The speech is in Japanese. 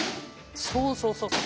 そうそうそうそう。